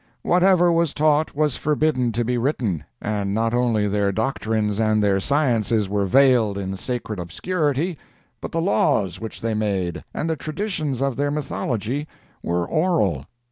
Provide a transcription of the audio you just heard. Whatever was taught was forbidden to be written, and not only their doctrines and their sciences were veiled in sacred obscurity, but the laws which they made and the traditions of their mythology were oral.